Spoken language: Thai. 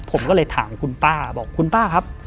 ผมก็เลยถามคุณป้าบอกคุณป้าครับ